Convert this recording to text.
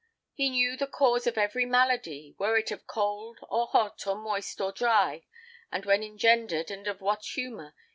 He knew the cause of every maladie, Were it of cold, or hote, or moist, or drie, And when engendred, and of what humour.